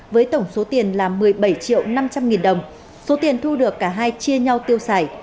với tổng số tiền là một mươi bảy triệu năm trăm linh nghìn đồng số tiền thu được cả hai chia nhau tiêu xài